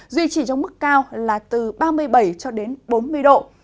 duy trì trong mức cao là từ ba mươi bảy bốn mươi độ